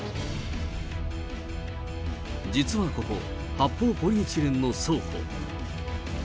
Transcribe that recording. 実はここ、発泡ポリエチレンの倉庫。